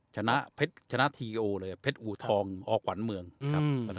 ชนะเชอเทียลเลยเพ็ดอูทองออกหวันเมืองอืม